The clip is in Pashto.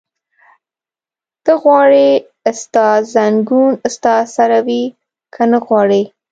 ته غواړې ستا ځنګون ستا سره وي؟ که نه غواړې؟